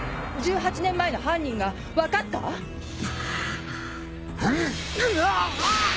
１８年前の犯人が分かった⁉ぐあっ！